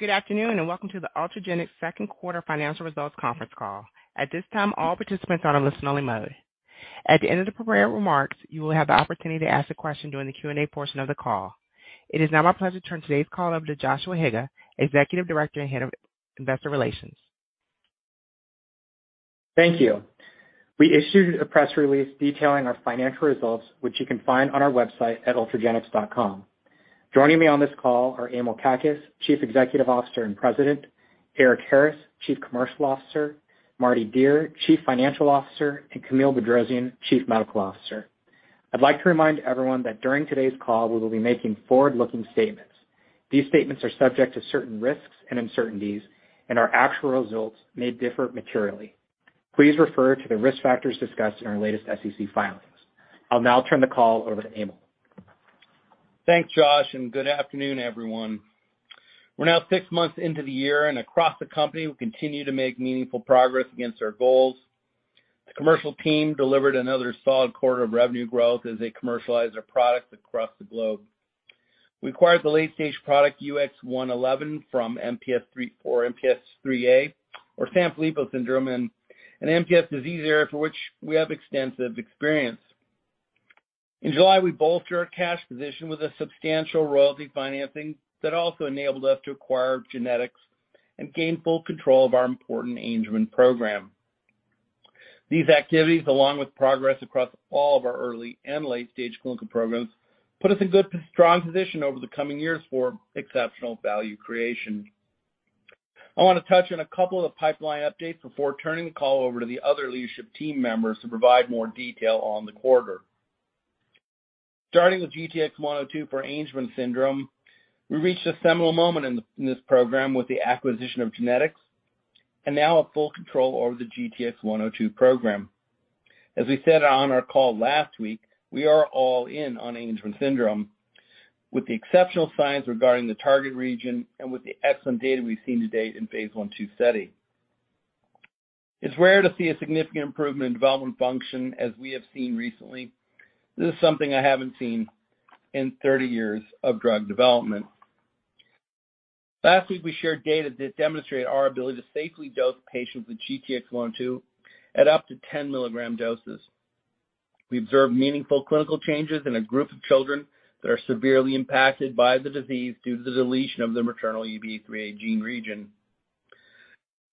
Good afternoon, and welcome to the Ultragenyx second quarter financial results conference call. At this time, all participants are in listen-only mode. At the end of the prepared remarks, you will have the opportunity to ask a question during the Q&A portion of the call. It is now my pleasure to turn today's call over to Joshua Higa, Executive Director and Head of Investor Relations. Thank you. We issued a press release detailing our financial results, which you can find on our website at ultragenyx.com. Joining me on this call are Emil Kakkis, Chief Executive Officer and President, Erik Harris, Chief Commercial Officer, Mardi Dier, Chief Financial Officer, and Camille Bedrosian, Chief Medical Officer. I'd like to remind everyone that during today's call, we will be making forward-looking statements. These statements are subject to certain risks and uncertainties, and our actual results may differ materially. Please refer to the risk factors discussed in our latest SEC filings. I'll now turn the call over to Emil. Thanks, Josh, and good afternoon, everyone. We're now six months into the year, and across the company, we continue to make meaningful progress against our goals. The commercial team delivered another solid quarter of revenue growth as they commercialize our products across the globe. We acquired the late-stage product UX111 from MPS III or MPS IIIA, or Sanfilippo syndrome, an MPS disease area for which we have extensive experience. In July, we bolstered our cash position with a substantial royalty financing that also enabled us to acquire GeneTx and gain full control of our important Angelman program. These activities, along with progress across all of our early and late-stage clinical programs, put us in good, strong position over the coming years for exceptional value creation. I wanna touch on a couple of pipeline updates before turning the call over to the other leadership team members to provide more detail on the quarter. Starting with GTX-102 for Angelman syndrome, we reached a seminal moment in this program with the acquisition of GeneTx and now have full control over the GTX-102 program. As we said on our call last week, we are all in on Angelman syndrome. With the exceptional signs regarding the target region and with the excellent data we've seen to date in phase I/II study. It's rare to see a significant improvement in developmental function as we have seen recently. This is something I haven't seen in 30 years of drug development. Last week, we shared data that demonstrated our ability to safely dose patients with GTX-102 at up to 10 mg doses. We observed meaningful clinical changes in a group of children that are severely impacted by the disease due to the deletion of the maternal UBE3A gene region.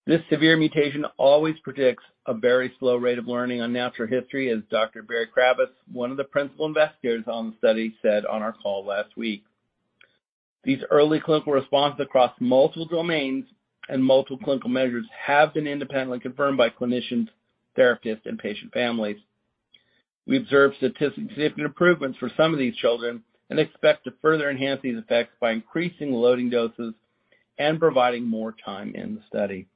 This severe mutation always predicts a very slow rate of learning on natural history, as Dr. Elizabeth Berry-Kravis, one of the principal investigators on the study, said on our call last week. These early clinical responses across multiple domains and multiple clinical measures have been independently confirmed by clinicians, therapists, and patient families. We observed statistically significant improvements for some of these children and expect to further enhance these effects by increasing loading doses and providing more time in the study.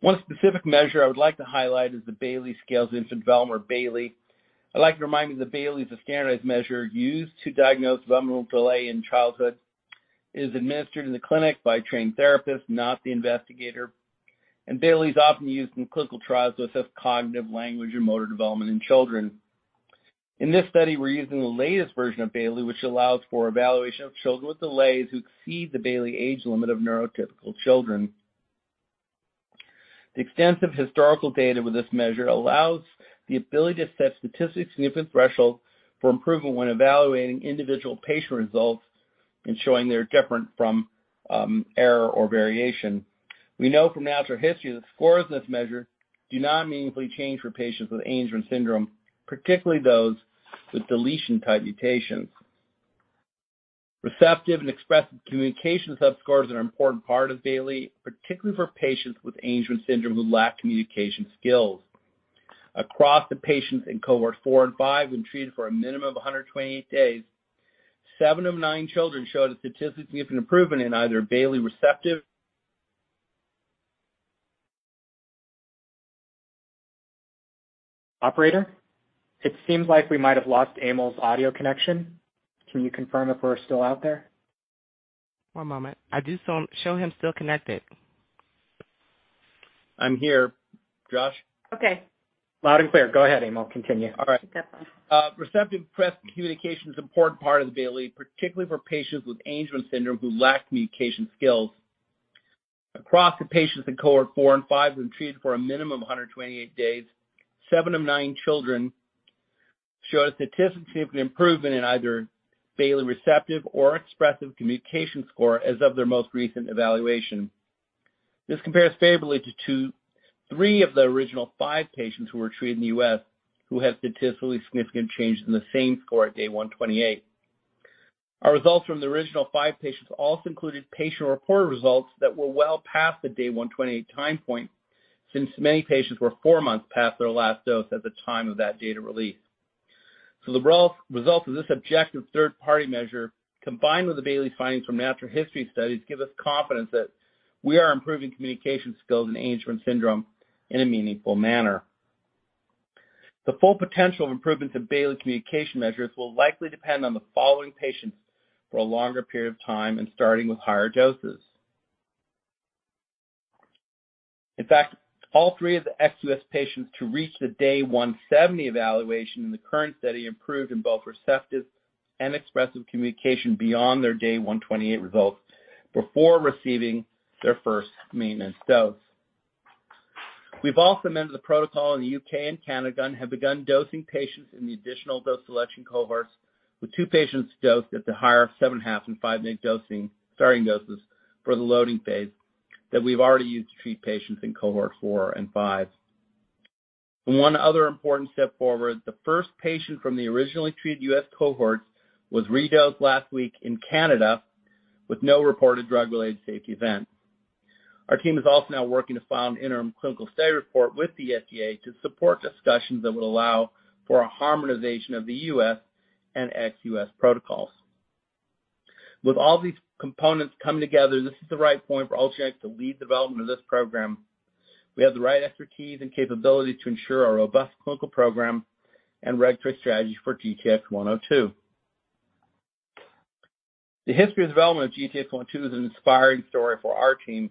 One specific measure I would like to highlight is the Bayley Scales Infant Development, or Bayley. I'd like to remind you that Bayley is a standardized measure used to diagnose developmental delay in childhood. It is administered in the clinic by trained therapists, not the investigator. Bayley is often used in clinical trials to assess cognitive, language, or motor development in children. In this study, we're using the latest version of Bayley, which allows for evaluation of children with delays who exceed the Bayley age limit of neurotypical children. The extensive historical data with this measure allows the ability to set statistically significant thresholds for improvement when evaluating individual patient results and showing they're different from error or variation. We know from natural history that scores in this measure do not meaningfully change for patients with Angelman syndrome, particularly those with deletion-type mutations. Receptive and expressive communication subscores are an important part of Bayley, particularly for patients with Angelman syndrome who lack communication skills. Across the patients in cohort 4 and 5, when treated for a minimum of 128 days, seven of nine children showed a statistically significant improvement in either Bayley receptive. Operator, it seems like we might have lost Emil's audio connection. Can you confirm if we're still out there? One moment. Show him still connected. I'm here, Josh. Okay. Loud and clear. Go ahead, Emil. Continue. All right. He's back on. Receptive expressive communication is an important part of the Bayley, particularly for patients with Angelman syndrome who lack communication skills. Across the patients in cohort 4 and 5 who were treated for a minimum of 128 days, seven of nine children showed a statistically significant improvement in either Bayley receptive or expressive communication score as of their most recent evaluation. This compares favorably to two to three of the original five patients who were treated in the U.S., who had statistically significant changes in the same score at day 128. Our results from the original five patients also included patient-reported results that were well past the day 128 time point, since many patients were four months past their last dose at the time of that data release. The result of this objective third-party measure, combined with the Bayley's findings from natural history studies, give us confidence that we are improving communication skills in Angelman syndrome in a meaningful manner. The full potential of improvements in Bayley communication measures will likely depend on the following patients for a longer period of time and starting with higher doses. In fact, all three of the ex-U.S. patients to reach the day 170 evaluation in the current study improved in both receptive and expressive communication beyond their day 128 results before receiving their first maintenance dose. We've also amended the protocol in the U.K., and Canada and have begun dosing patients in the additional dose selection cohorts with two patients dosed at the higher 7.5mg and 5mg dosing starting doses for the loading phase that we've already used to treat patients in cohort 4 and 5. One other important step forward. The first patient from the originally treated U.S. cohorts was redosed last week in Canada with no reported drug-related safety event. Our team is also now working to file an interim clinical study report with the FDA to support discussions that would allow for a harmonization of the U.S. and ex-U.S. protocols. With all these components coming together, this is the right point for Ultragenyx to lead development of this program. We have the right expertise and capabilities to ensure a robust clinical program and regulatory strategy for GTX-102. The history and development of GTX-102 is an inspiring story for our team.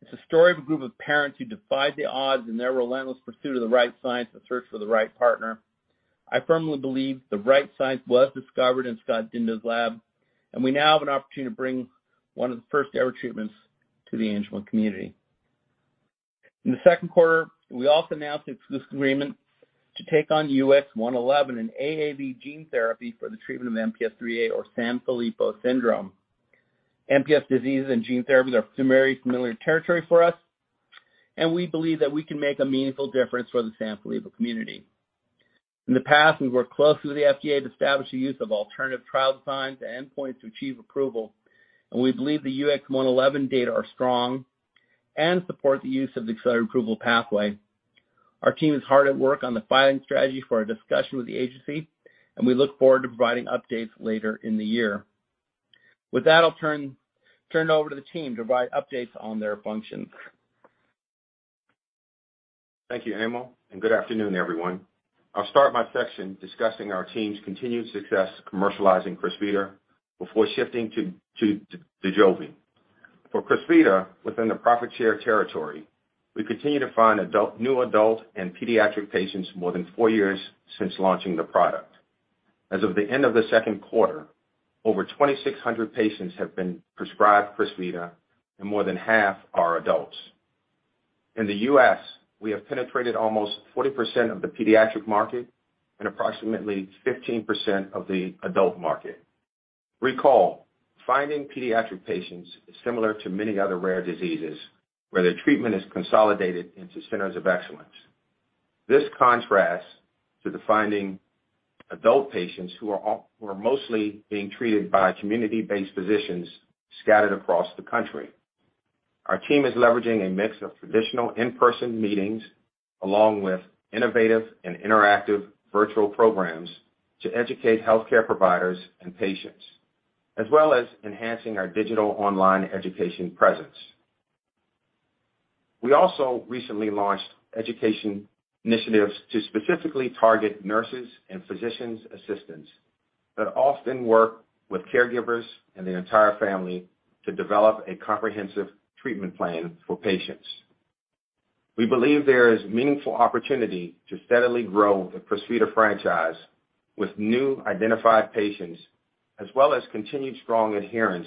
It's a story of a group of parents who defied the odds in their relentless pursuit of the right science and search for the right partner. I firmly believe the right science was discovered in Scott Dindot's lab, and we now have an opportunity to bring one of the first-ever treatments to the Angelman community. In the second quarter, we also announced exclusive agreement to take on UX-111, an AAV gene therapy for the treatment of MPS IIIA or Sanfilippo syndrome. MPS disease and gene therapy are very familiar territory for us, and we believe that we can make a meaningful difference for the Sanfilippo community. In the past, we've worked closely with the FDA to establish the use of alternative trial designs and endpoints to achieve approval, and we believe the UX-111 data are strong and support the use of the accelerated approval pathway. Our team is hard at work on the filing strategy for a discussion with the agency, and we look forward to providing updates later in the year. With that, I'll turn it over to the team to provide updates on their functions. Thank you, Emil, and good afternoon, everyone. I'll start my section discussing our team's continued success commercializing Crysvita before shifting to Dojolvi. For Crysvita, within the profit share territory, we continue to find new adult and pediatric patients more than four years since launching the product. As of the end of the second quarter, over 2,600 patients have been prescribed Crysvita and more than half are adults. In the U.S., we have penetrated almost 40% of the pediatric market and approximately 15% of the adult market. Recall, finding pediatric patients is similar to many other rare diseases where their treatment is consolidated into centers of excellence. This contrasts to the finding adult patients who are mostly being treated by community-based physicians scattered across the country. Our team is leveraging a mix of traditional in-person meetings along with innovative and interactive virtual programs to educate healthcare providers and patients, as well as enhancing our digital online education presence. We also recently launched education initiatives to specifically target nurses and physician assistants that often work with caregivers and the entire family to develop a comprehensive treatment plan for patients. We believe there is meaningful opportunity to steadily grow the Crysvita franchise with new identified patients, as well as continued strong adherence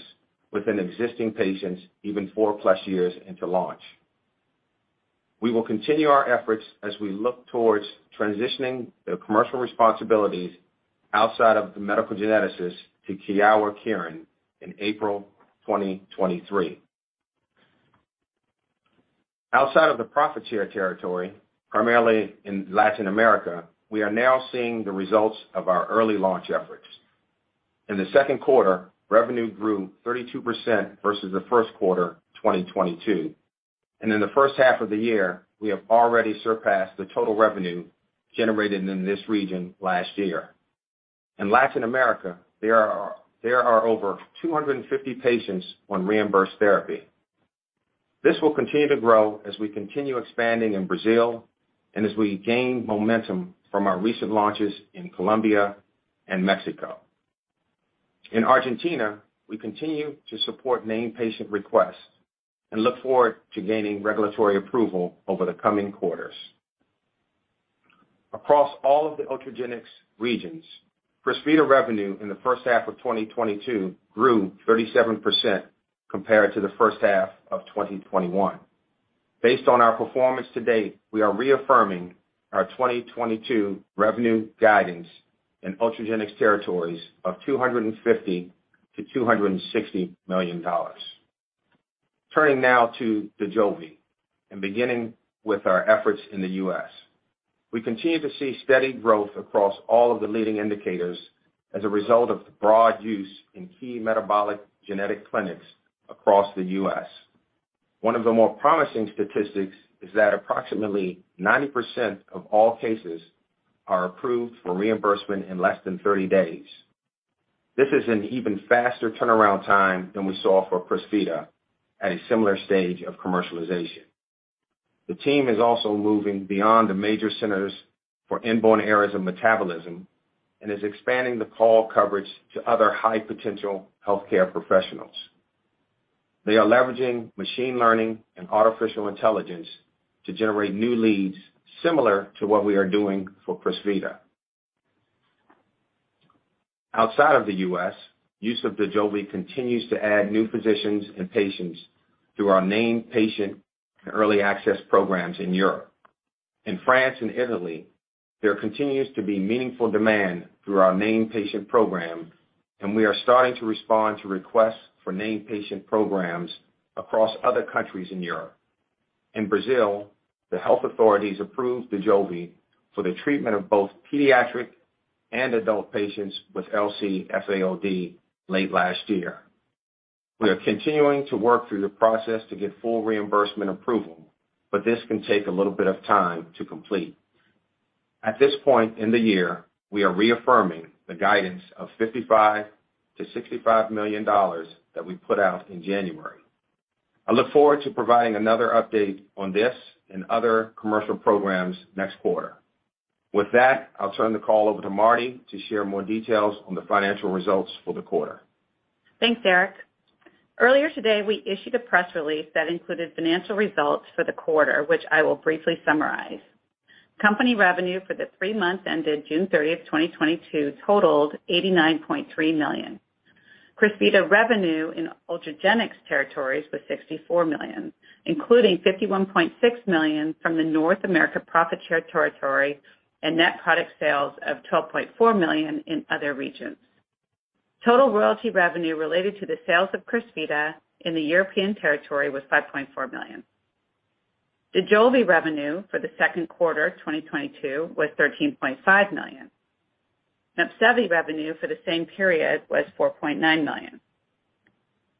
within existing patients even four-plus years into launch. We will continue our efforts as we look towards transitioning the commercial responsibilities outside of the medical geneticists to Kyowa Kirin in April 2023. Outside of the profit share territory, primarily in Latin America, we are now seeing the results of our early launch efforts. In the second quarter, revenue grew 32% versus the first quarter 2022, and in the first half of the year, we have already surpassed the total revenue generated in this region last year. In Latin America, there are over 250 patients on reimbursed therapy. This will continue to grow as we continue expanding in Brazil and as we gain momentum from our recent launches in Colombia and Mexico. In Argentina, we continue to support named patient requests and look forward to gaining regulatory approval over the coming quarters. Across all of the Ultragenyx regions, Crysvita revenue in the first half of 2022 grew 37% compared to the first half of 2021. Based on our performance to date, we are reaffirming our 2022 revenue guidance in Ultragenyx territories of $250 million-$260 million. Turning now to Dojolvi and beginning with our efforts in the U.S. We continue to see steady growth across all of the leading indicators as a result of the broad use in key metabolic genetic clinics across the U.S. One of the more promising statistics is that approximately 90% of all cases are approved for reimbursement in less than 30 days. This is an even faster turnaround time than we saw for Crysvita at a similar stage of commercialization. The team is also moving beyond the major centers for inborn errors in metabolism and is expanding the call coverage to other high potential healthcare professionals. They are leveraging machine learning and artificial intelligence to generate new leads similar to what we are doing for Crysvita. Outside of the U.S., use of Dojolvi continues to add new physicians and patients through our named patient and early access programs in Europe. In France and Italy, there continues to be meaningful demand through our named patient program, and we are starting to respond to requests for named patient programs across other countries in Europe. In Brazil, the health authorities approved Dojolvi for the treatment of both pediatric and adult patients with LC-FAOD late last year. We are continuing to work through the process to get full reimbursement approval, but this can take a little bit of time to complete. At this point in the year, we are reaffirming the guidance of $55 million-$65 million that we put out in January. I look forward to providing another update on this and other commercial programs next quarter. With that, I'll turn the call over to Mardi to share more details on the financial results for the quarter. Thanks, Eric. Earlier today, we issued a press release that included financial results for the quarter, which I will briefly summarize. Company revenue for the three months ended June 30th, 2022 totaled $89.3 million. Crysvita revenue in Ultragenyx territories was $64 million, including $51.6 million from the North America profit share territory and net product sales of $12.4 million in other regions. Total royalty revenue related to the sales of Crysvita in the European territory was $5.4 million. Dojolvi revenue for the second quarter 2022 was $13.5 million. Mepsevii revenue for the same period was $4.9 million.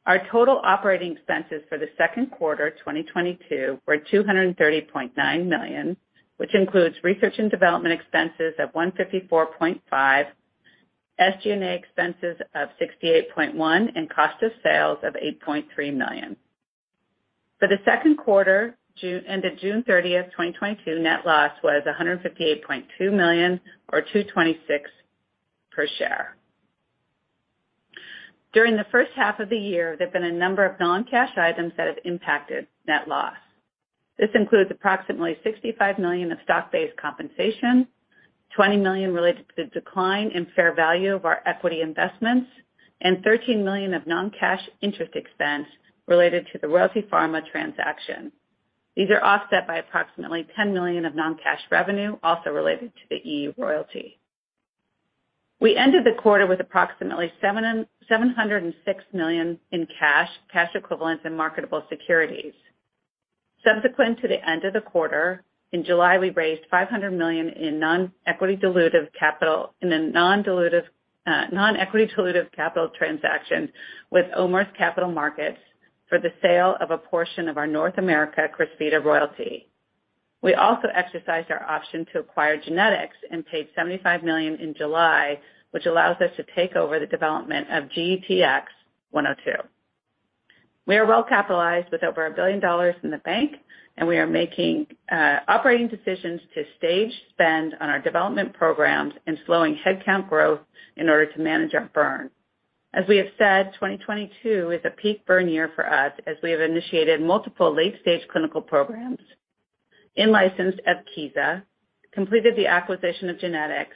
Our total operating expenses for the second quarter, 2022 were $230.9 million, which includes research and development expenses of $154.5 million, SG&A expenses of $68.1 million, and cost of sales of $8.3 million. For the second quarter ended June 30th, 2022, net loss was $158.2 million or $2.26 per share. During the first half of the year, there've been a number of non-cash items that have impacted net loss. This includes approximately $65 million of stock-based compensation, $20 million related to the decline in fair value of our equity investments, and $13 million of non-cash interest expense related to the Royalty Pharma transaction. These are offset by approximately $10 million of non-cash revenue, also related to the EU royalty. We ended the quarter with approximately $706 million in cash equivalents, and marketable securities. Subsequent to the end of the quarter, in July, we raised $500 million in non-equity dilutive capital in a non-dilutive, non-equity dilutive capital transaction with OMERS Capital Markets for the sale of a portion of our North America Crysvita royalty. We also exercised our option to acquire GeneTx and paid $75 million in July, which allows us to take over the development of GTX-102. We are well capitalized with over $1 billion in the bank, and we are making operating decisions to stage spend on our development programs and slowing headcount growth in order to manage our burn. As we have said, 2022 is a peak burn year for us as we have initiated multiple late-stage clinical programs, in-licensed Evkeeza, completed the acquisition of GeneTx,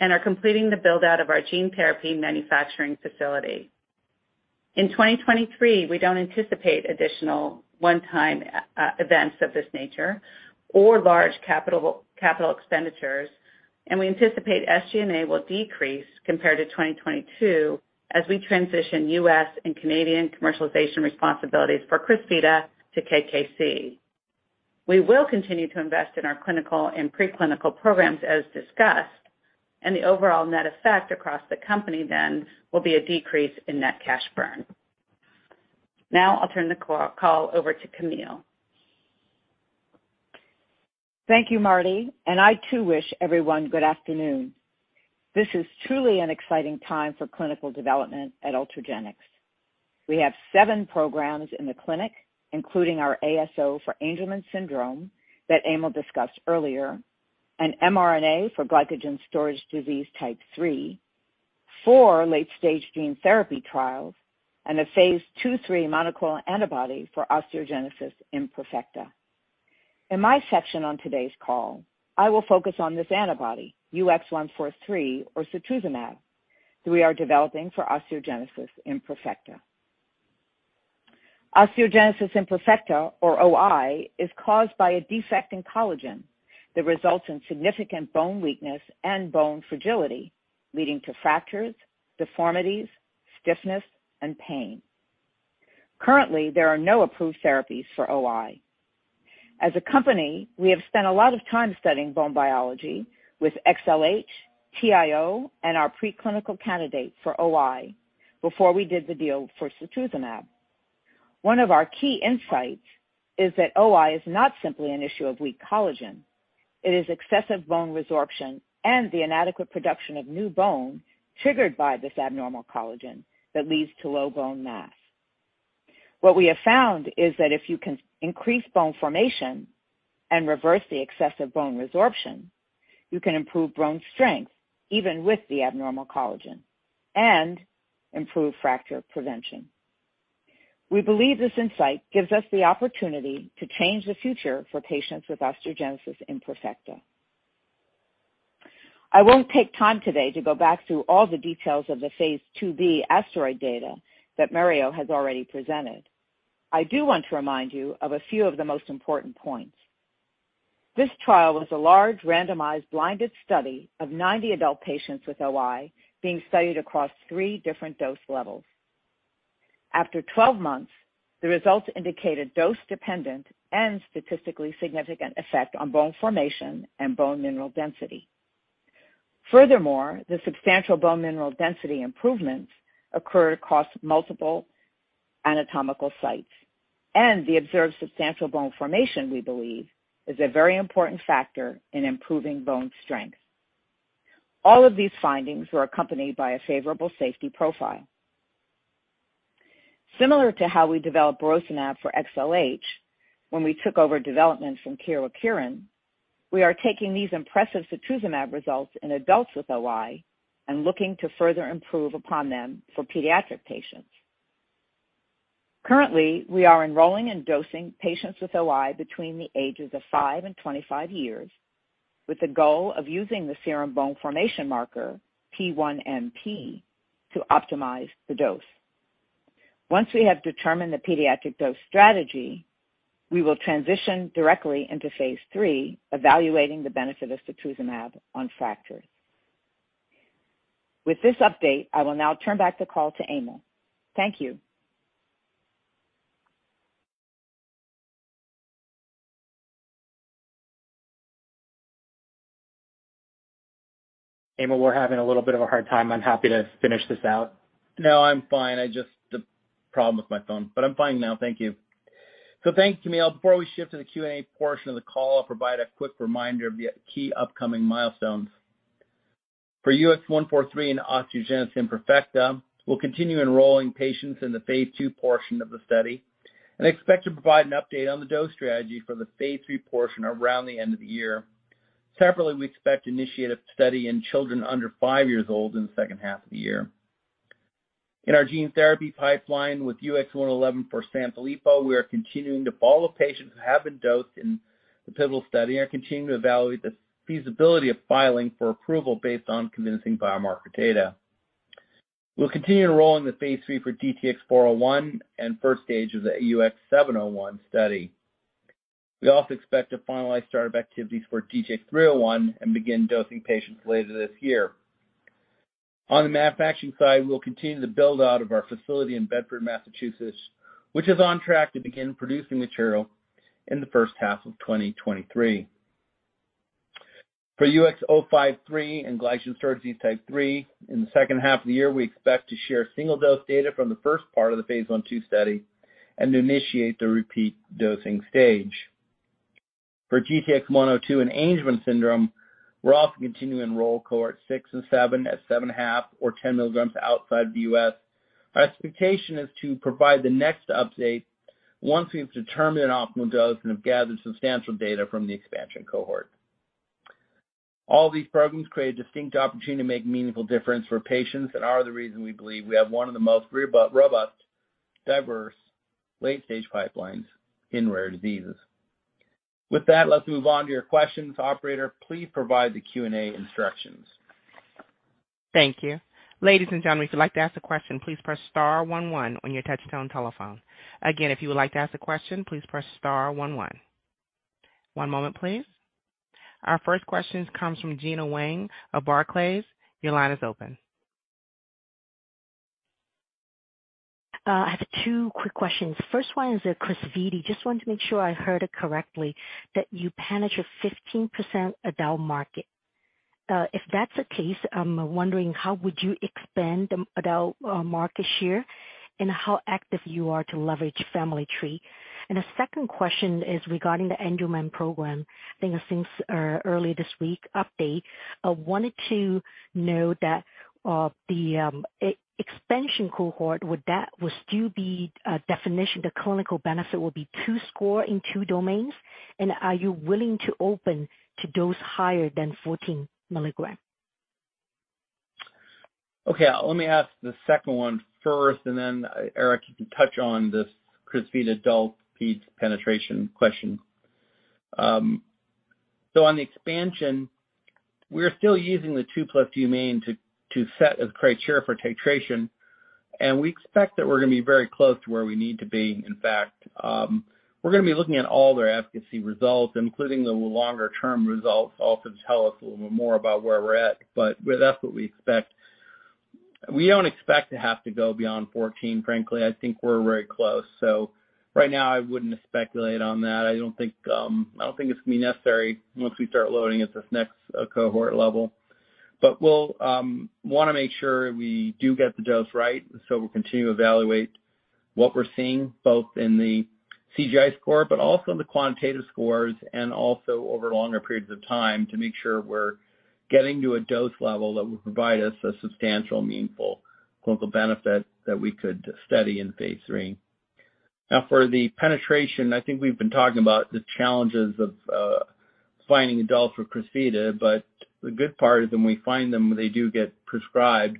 and are completing the build-out of our gene therapy manufacturing facility. In 2023, we don't anticipate additional one-time events of this nature or large capital expenditures, and we anticipate SG&A will decrease compared to 2022 as we transition U.S. and Canadian commercialization responsibilities for Crysvita to KKC. We will continue to invest in our clinical and pre-clinical programs as discussed, and the overall net effect across the company then will be a decrease in net cash burn. Now I'll turn the call over to Camille. Thank you, Mardi, and I too wish everyone good afternoon. This is truly an exciting time for clinical development at Ultragenyx. We have seven programs in the clinic, including our ASO for Angelman syndrome that Emil discussed earlier, an mRNA for glycogen storage disease type III, Four late-stage gene therapy trials, and a phase II/III monoclonal antibody for osteogenesis imperfecta. In my section on today's call, I will focus on this antibody, UX143 or setrusumab, that we are developing for osteogenesis imperfecta. Osteogenesis imperfecta or OI is caused by a defect in collagen that results in significant bone weakness and bone fragility, leading to fractures, deformities, stiffness, and pain. Currently, there are no approved therapies for OI. As a company, we have spent a lot of time studying bone biology with XLH, TIO, and our preclinical candidate for OI before we did the deal for setrusumab. One of our key insights is that OI is not simply an issue of weak collagen. It is excessive bone resorption and the inadequate production of new bone triggered by this abnormal collagen that leads to low bone mass. What we have found is that if you can increase bone formation and reverse the excessive bone resorption, you can improve bone strength even with the abnormal collagen and improve fracture prevention. We believe this insight gives us the opportunity to change the future for patients with osteogenesis imperfecta. I won't take time today to go back through all the details of the Phase IIb ASTEROID data that Mario has already presented. I do want to remind you of a few of the most important points. This trial was a large randomized blinded study of 90 adult patients with OI being studied across three different dose levels. After 12 months, the results indicated dose-dependent and statistically significant effect on bone formation and bone mineral density. Furthermore, the substantial bone mineral density improvements occurred across multiple anatomical sites, and the observed substantial bone formation, we believe, is a very important factor in improving bone strength. All of these findings were accompanied by a favorable safety profile. Similar to how we developed burosumab for XLH when we took over development from Kyowa Kirin, we are taking these impressive setrusumab results in adults with OI and looking to further improve upon them for pediatric patients. Currently, we are enrolling and dosing patients with OI between the ages of five and 25 years, with the goal of using the serum bone formation marker P1NP to optimize the dose. Once we have determined the pediatric dose strategy, we will transition directly into phase III, evaluating the benefit of setrusumab on fractures. With this update, I will now turn back the call to Emil. Thank you. Emil, we're having a little bit of a hard time. I'm happy to finish this out. No, I'm fine. I just had a problem with my phone, but I'm fine now. Thank you. Thanks, Camille. Before we shift to the Q&A portion of the call, I'll provide a quick reminder of the key upcoming milestones. For UX143 and osteogenesis imperfecta, we'll continue enrolling patients in the phase II portion of the study and expect to provide an update on the dose strategy for the phase III portion around the end of the year. Separately, we expect to initiate a study in children under five years old in the second half of the year. In our gene therapy pipeline with UX111 for Sanfilippo, we are continuing to follow patients who have been dosed in the pivotal study and continue to evaluate the feasibility of filing for approval based on convincing biomarker data. We'll continue enrolling the phase III for DTX401 and first stage of the UX701 study. We also expect to finalize startup activities for DTX301 and begin dosing patients later this year. On the manufacturing side, we'll continue the build-out of our facility in Bedford, Massachusetts, which is on track to begin producing material in the first half of 2023. For UX053 and Glycogen Storage Disease Type III, in the second half of the year, we expect to share single-dose data from the first part of the phase I/II study and to initiate the repeat dosing stage. For GTX-102 and Angelman syndrome, we'll also continue to enroll cohort 6 and 7 at 7.5 or 10 milligrams outside the U.S. Our expectation is to provide the next update once we've determined an optimal dose and have gathered substantial data from the expansion cohort. All these programs create a distinct opportunity to make meaningful difference for patients and are the reason we believe we have one of the most robust, diverse late-stage pipelines in rare diseases. With that, let's move on to your questions. Operator, please provide the Q&A instructions. Thank you. Ladies and gentlemen, if you'd like to ask a question, please press star one one on your touch-tone telephone. Again, if you would like to ask a question, please press star one one. One moment, please. Our first question comes from Gena Wang of Barclays. Your line is open. I have two quick questions. First one is Crysvita. Just wanted to make sure I heard it correctly that you penetrate 15% adult market. If that's the case, I'm wondering how would you expand the adult market share and how active you are to leverage Family Tree? The second question is regarding the Angelman program. I think since early this week update, I wanted to know that the expansion cohort, will that still be defined as the clinical benefit will be two score in two domains? And are you willing to open to dose higher than 14 milligrams? Okay, let me ask the second one first, and then Eric, you can touch on this Crysvita adult penetration question. On the expansion, we're still using the two plus domain to set a criteria for titration, and we expect that we're gonna be very close to where we need to be. In fact, we're gonna be looking at all their efficacy results, including the longer-term results, all to tell us a little bit more about where we're at. That's what we expect. We don't expect to have to go beyond 14, frankly. I think we're very close. Right now, I wouldn't speculate on that. I don't think it's gonna be necessary once we start loading at this next cohort level. We'll wanna make sure we do get the dose right. We'll continue to evaluate what we're seeing both in the CGI score, but also the quantitative scores and also over longer periods of time to make sure we're getting to a dose level that will provide us a substantial, meaningful clinical benefit that we could study in phase three. Now for the penetration, I think we've been talking about the challenges of finding adults with Crysvita, but the good part is when we find them, they do get prescribed.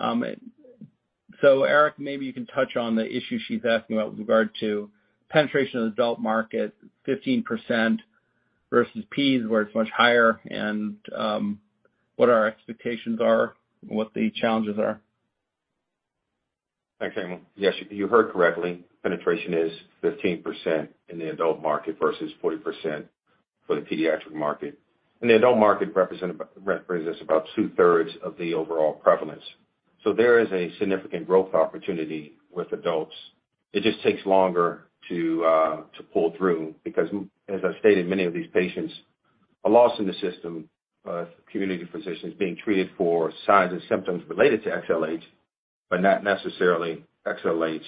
Eric, maybe you can touch on the issue she's asking about with regard to penetration of the adult market, 15% versus peds, where it's much higher, and what our expectations are and what the challenges are. Thanks, Emil. Yes, you heard correctly. Penetration is 15% in the adult market versus 40% for the pediatric market. In the adult market represents about 2/3 of the overall prevalence. So there is a significant growth opportunity with adults. It just takes longer to pull through because as I stated, many of these patients are lost in the system, community physicians being treated for signs and symptoms related to XLH, but not necessarily XLH,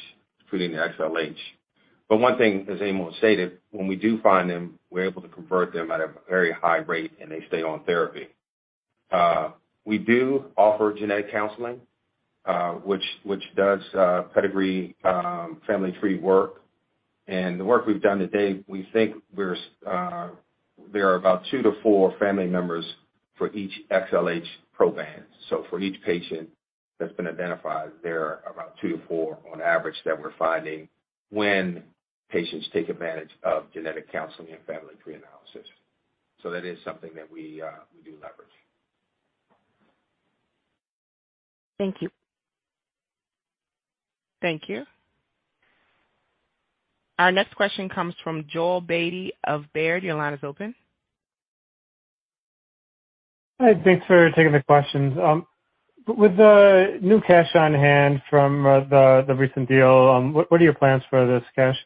treating the XLH. But one thing, as Emil stated, when we do find them, we're able to convert them at a very high rate and they stay on therapy. We do offer genetic counseling, which does pedigree family tree work. The work we've done to date, we think there are about two to four family members for each XLH program. For each patient that's been identified, there are about two to four on average that we're finding when patients take advantage of genetic counseling and family tree analysis. That is something that we do leverage. Thank you. Thank you. Our next question comes from Joel Beatty of Baird. Your line is open. Hi. Thanks for taking the questions. With the new cash on hand from the recent deal, what are your plans for this cash?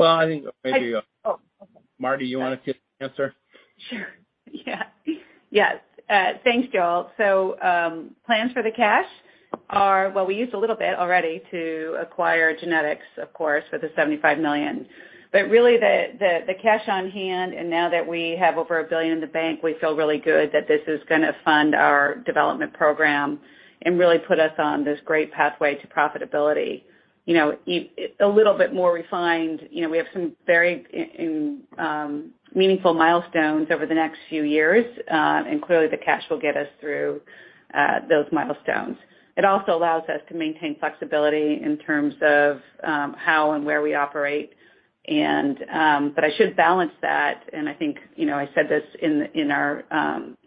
Well, I think maybe. Oh, okay. Mardi, you want to take the answer? Sure. Yeah. Yes. Thanks, Joel. Plans for the cash are, well, we used a little bit already to acquire GeneTx, of course, with the $75 million. Really the cash on hand and now that we have over $1 billion in the bank, we feel really good that this is gonna fund our development program and really put us on this great pathway to profitability. You know, a little bit more refined. You know, we have some very meaningful milestones over the next few years, and clearly the cash will get us through those milestones. It also allows us to maintain flexibility in terms of how and where we operate and, but I should balance that, and I think, you know, I said this in our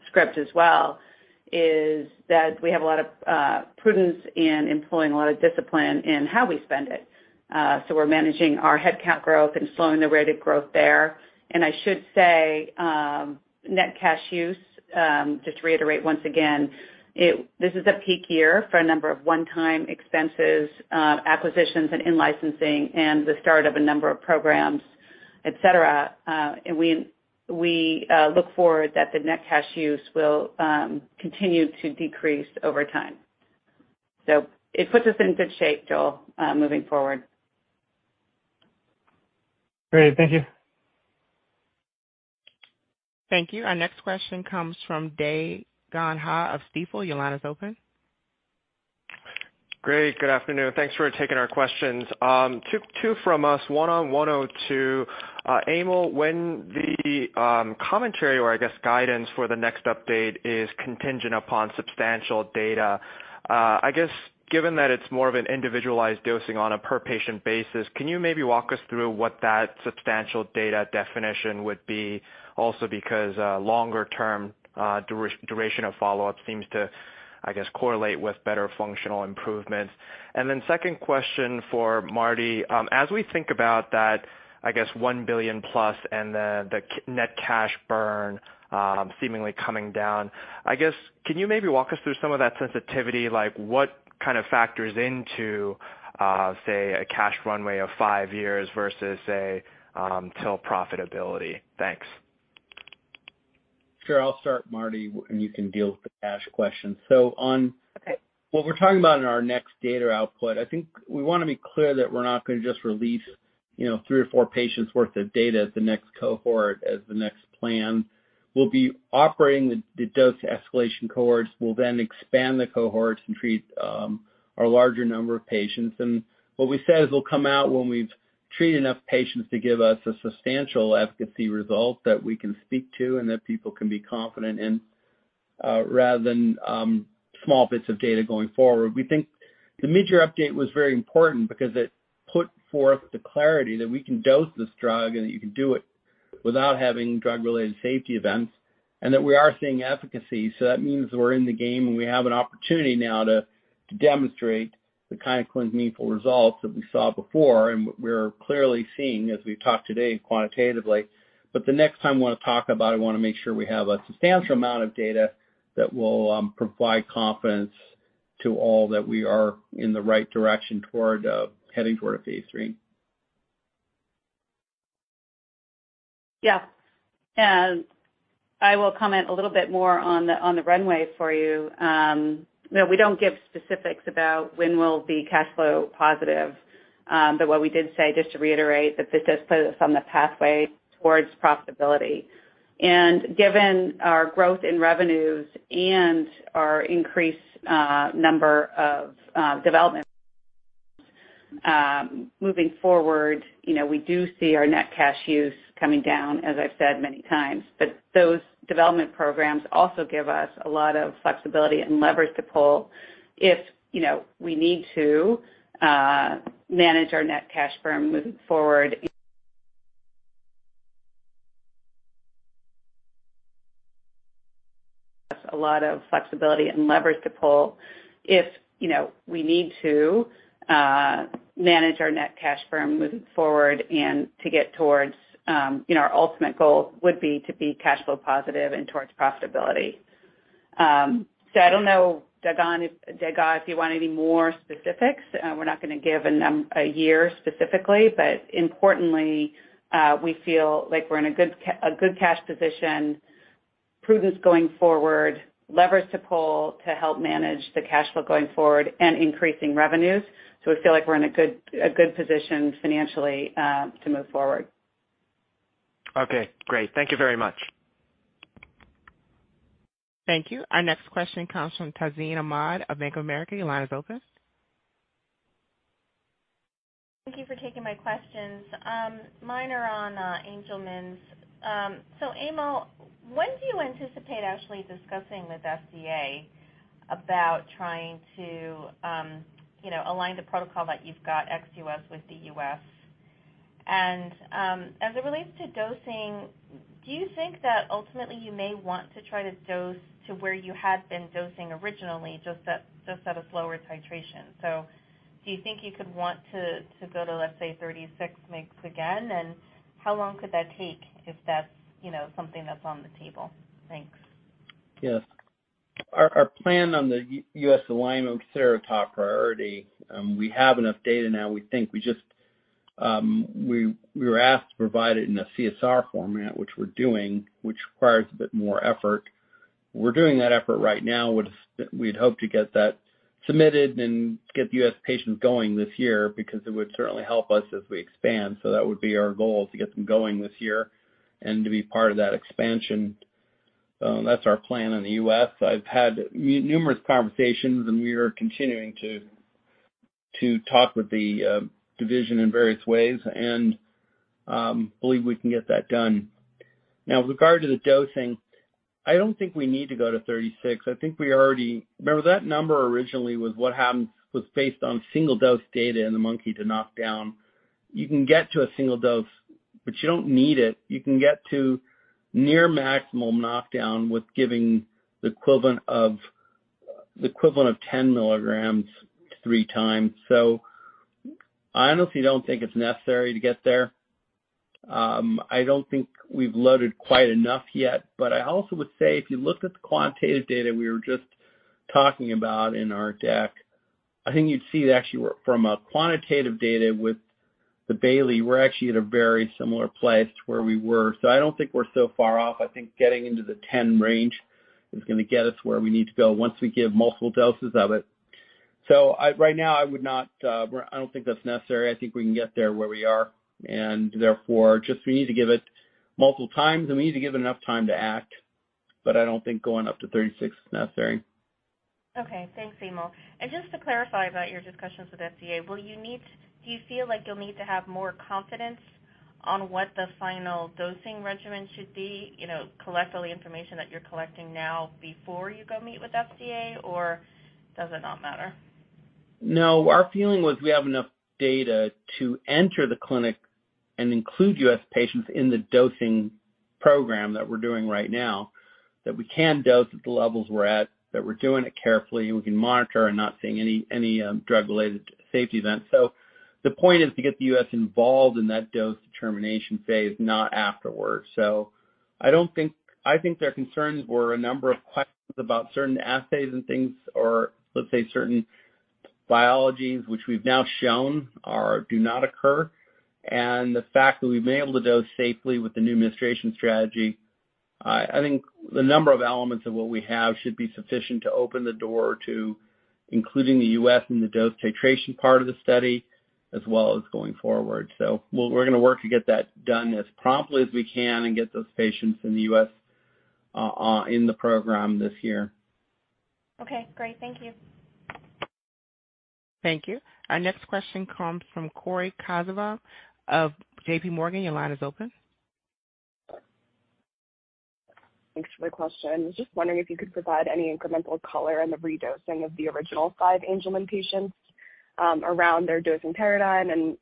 script as well, is that we have a lot of prudence in employing a lot of discipline in how we spend it. We're managing our headcount growth and slowing the rate of growth there. I should say net cash use just to reiterate once again, this is a peak year for a number of one-time expenses, acquisitions and in-licensing and the start of a number of programs, et cetera. We look forward that the net cash use will continue to decrease over time. It puts us in good shape, Joel, moving forward. Great. Thank you. Thank you. Our next question comes from Dae Gon Ha of Stifel. Your line is open. Great. Good afternoon. Thanks for taking our questions. Two from us, one on 102. Emil, when the commentary or I guess guidance for the next update is contingent upon substantial data, I guess given that it's more of an individualized dosing on a per patient basis, can you maybe walk us through what that substantial data definition would be also because longer term duration of follow-up seems to, I guess, correlate with better functional improvements? Second question for Mardi. As we think about that, I guess, $1 billion plus and the net cash burn seemingly coming down, I guess, can you maybe walk us through some of that sensitivity? Like what kind of factors into say a cash runway of five years versus say till profitability? Thanks. Sure. I'll start, Mardi, and you can deal with the cash question. on Okay. What we're talking about in our next data output, I think we wanna be clear that we're not gonna just release, you know, three or four patients worth of data at the next cohort as the next plan. We'll be operating the dose escalation cohorts. We'll then expand the cohorts and treat a larger number of patients. What we said is it'll come out when we've treated enough patients to give us a substantial efficacy result that we can speak to and that people can be confident in, rather than small bits of data going forward. We think the major update was very important because it put forth the clarity that we can dose this drug and that you can do it without having drug-related safety events, and that we are seeing efficacy. That means we're in the game, and we have an opportunity now to demonstrate the kind of clinically meaningful results that we saw before and what we're clearly seeing as we've talked today quantitatively. The next time we wanna talk about it, we wanna make sure we have a substantial amount of data that will provide confidence to all that we are in the right direction toward heading toward a phase III. Yeah. I will comment a little bit more on the runway for you. You know, we don't give specifics about when we'll be cash flow positive. What we did say, just to reiterate, that this has put us on the pathway towards profitability. Given our growth in revenues and our increased number of development programs moving forward, you know, we do see our net cash use coming down, as I've said many times. Those development programs also give us a lot of flexibility and levers to pull if, you know, we need to manage our net cash burn moving forward. us a lot of flexibility and leverage to pull if, you know, we need to manage our net cash burn moving forward and to get towards, you know, our ultimate goal would be to be cash flow positive and towards profitability. I don't know, Dae Gon, if you want any more specifics. We're not gonna give a year specifically, but importantly, we feel like we're in a good cash position, prudence going forward, leverage to pull to help manage the cash flow going forward and increasing revenues. We feel like we're in a good position financially to move forward. Okay, great. Thank you very much. Thank you. Our next question comes from Tazeen Ahmad of Bank of America. Your line is open. Thank you for taking my questions. Mine are on Angelman's. Emil, when do you anticipate actually discussing with FDA about trying to, you know, align the protocol that you've got ex-U.S. with the U.S.? As it relates to dosing, do you think that ultimately you may want to try to dose to where you had been dosing originally, just at a slower titration? Do you think you could want to go to, let's say, 36 mg again, and how long could that take if that's, you know, something that's on the table? Thanks. Yes. Our plan on the US alignment is our top priority. We have enough data now. We think we were asked to provide it in a CSR format, which we're doing, which requires a bit more effort. We're doing that effort right now. We'd hope to get that submitted and get the U.S. patients going this year because it would certainly help us as we expand. That would be our goal to get them going this year and to be part of that expansion. That's our plan in the U.S. I've had numerous conversations, and we are continuing to talk with the division in various ways and believe we can get that done. Now with regard to the dosing, I don't think we need to go to 36. I think we already. Remember that number originally was what happened was based on single dose data in the monkey to knock down. You can get to a single dose, but you don't need it. You can get to near maximum knockdown with giving the equivalent of 10 mg three times. I honestly don't think it's necessary to get there. I don't think we've loaded quite enough yet, but I also would say if you look at the quantitative data we were just talking about in our deck, I think you'd see that actually, from a quantitative data with the Bayley, we're actually at a very similar place to where we were. I don't think we're so far off. I think getting into the 10 range is gonna get us where we need to go once we give multiple doses of it. Right now I would not. I don't think that's necessary. I think we can get there where we are, and therefore just we need to give it multiple times, and we need to give it enough time to act. I don't think going up to 36 is necessary. Okay. Thanks, Emil. Just to clarify about your discussions with FDA, do you feel like you'll need to have more confidence on what the final dosing regimen should be, you know, collect all the information that you're collecting now before you go meet with FDA, or does it not matter? No. Our feeling was we have enough data to enter the clinic and include U.S. patients in the dosing program that we're doing right now, that we can dose at the levels we're at, that we're doing it carefully, and we can monitor and not seeing any drug-related safety events. The point is to get the U.S. involved in that dose determination phase, not afterwards. I think their concerns were a number of questions about certain assays and things, or let's say certain biologies which we've now shown do not occur. The fact that we've been able to dose safely with the new administration strategy, I think the number of elements of what we have should be sufficient to open the door to including the U.S. in the dose titration part of the study as well as going forward. We're gonna work to get that done as promptly as we can and get those patients in the U.S. in the program this year. Okay. Great. Thank you. Thank you. Our next question comes from Cory Kasimov of JPMorgan. Your line is open. Thanks for the question. Just wondering if you could provide any incremental color on the redosing of the original five Angelman patients, around their dosing paradigm, and,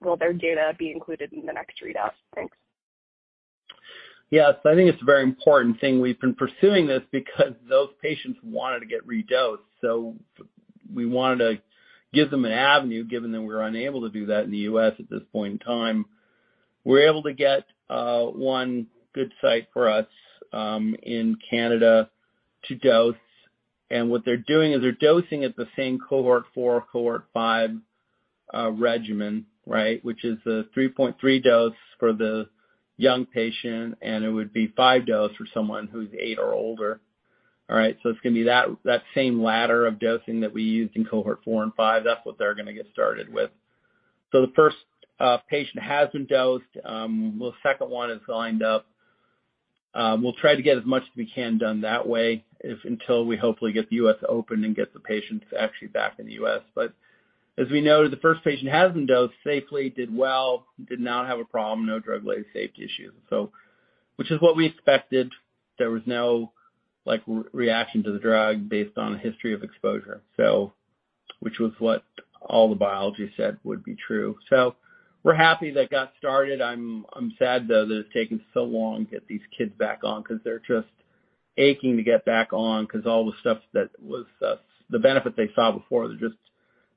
will their data be included in the next readout? Thanks. Yes. I think it's a very important thing. We've been pursuing this because those patients wanted to get redosed. We wanted to give them an avenue, given that we're unable to do that in the U.S. at this point in time. We're able to get one good site for us in Canada to dose. What they're doing is they're dosing at the same cohort 4, cohort 5A regimen, right, which is a 3.3 dose for the young patient, and it would be five dose for someone who's eight or older. All right, it's gonna be that same ladder of dosing that we used in cohort 4 and 5. That's what they're gonna get started with. The first patient has been dosed. The second one is lined up. We'll try to get as much as we can done that way until we hopefully get the U.S. open and get the patients actually back in the U.S. As we noted, the first patient has been dosed safely, did well, did not have a problem, no drug-related safety issues. Which is what we expected. There was no, like, reaction to the drug based on a history of exposure, which was what all the biology said would be true. We're happy that got started. I'm sad, though, that it's taken so long to get these kids back on because they're just aching to get back on because all the stuff that was, the benefit they saw before,